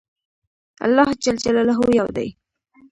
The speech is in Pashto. الله ج يو دی